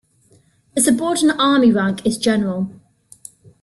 The subordinate army rank is general.